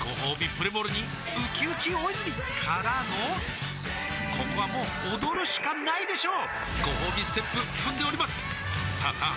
プレモルにうきうき大泉からのここはもう踊るしかないでしょうごほうびステップ踏んでおりますさあさあ